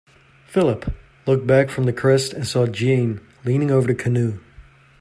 Philip looked back from the crest and saw Jeanne leaning over the canoe.